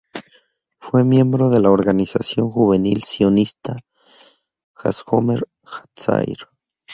Fue miembro de la organización juvenil sionista "Hashomer Hatzair".